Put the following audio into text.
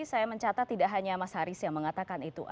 saya mencatat tidak hanya mas haris yang mengatakan itu